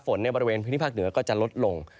ในบริเวณพื้นที่ภาคเหนือก็จะลดลง